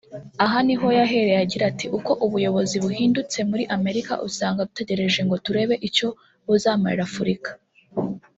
Aha ni ho yahereye agira ati “Uko ubuyobozi buhindutse muri Amerika usanga dutegereje ngo turebe icyo buzamarira Afurika